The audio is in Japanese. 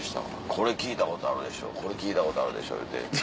「これ聴いたことあるでしょこれ聴いたことあるでしょ」。